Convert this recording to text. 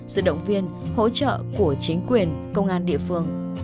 sự động viên hỗ trợ của chính quyền công an địa phương